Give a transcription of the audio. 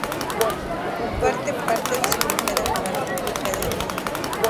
Comparte parte de su frontera con la República de Armenia.